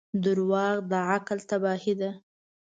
• دروغ د عقل تباهي ده.